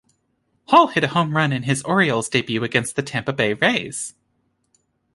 Hall hit a home run in his Orioles debut against the Tampa Bay Rays.